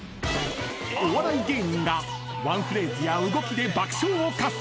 ［お笑い芸人がワンフレーズや動きで爆笑をかっさらう］